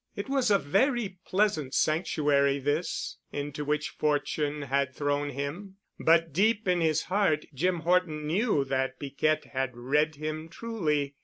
It was a very pleasant sanctuary, this, into which fortune had thrown him, but deep in his heart Jim Horton knew that Piquette had read him truly.